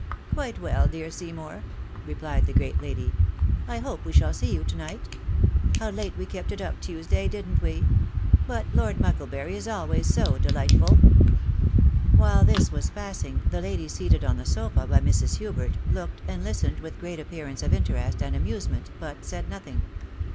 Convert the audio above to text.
" Quite well, dear Seymour," replied the great lady ;" I hope we shall see you to night ? How late we kept it up, Tuesday, didn't we ? But Lord Mucklebury is always so dehghtful !" While this was passing, the lady seated on the sofa by Mrs. Hubert, looked and listened with great appearance of interest BAD EFFECT OF OLD MAIDISM. 811 and amusement, but said nothing.